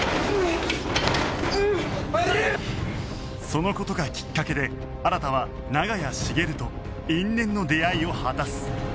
その事がきっかけで新は長屋茂と因縁の出会いを果たす